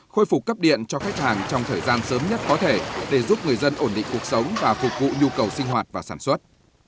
khôi phục cấp điện cho khách hàng trong thời gian sớm nhất có thể để giúp người dân ổn định cuộc sống và phục vụ nhu cầu sinh hoạt và sản xuất